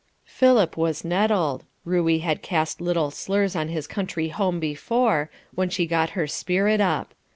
Philip was nettled. Ruey had cast little slurs on his country home before, when she got her spirit up.